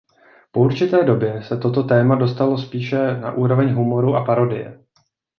Po určité době se toto téma dostalo spíše na úroveň humoru a parodie.